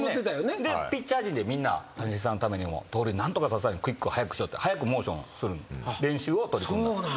ピッチャー陣でみんな谷繁さんのためにも盗塁何とか刺すためにクイックを速くしようって速くモーションする練習を取り組んだ。